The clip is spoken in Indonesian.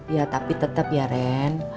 ya tapi tetap ya ren